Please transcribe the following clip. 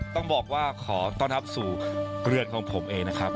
ต้องบอกว่าขอต้อนรับสู่เรือนของผมเองนะครับ